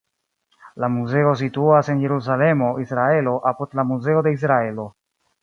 La muzeo situas en Jerusalemo, Israelo, apud la Muzeo de Israelo.